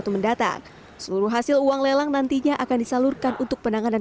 dua ribu dua puluh satu mendatang seluruh hasil uang lelang nantinya akan disalurkan untuk penanganan